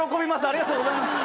ありがとうございます！